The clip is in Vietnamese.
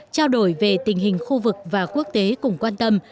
trao đổi về tình hình khu vực và quốc tế cùng quan tâm